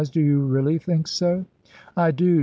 "Do you really think so?" "I do.